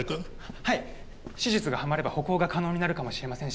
はい手術がはまれば歩行が可能になるかもしれませんし